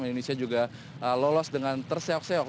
indonesia juga lolos dengan terseok seok